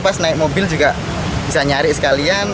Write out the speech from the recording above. pas naik mobil juga bisa nyari sekalian